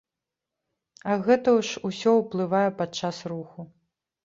А гэта ж усё ўплывае падчас руху.